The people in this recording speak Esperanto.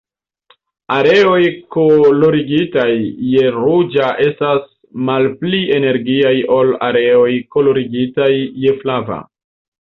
Areoj kolorigitaj je ruĝa estas malpli energiaj ol areoj kolorigitaj je flava.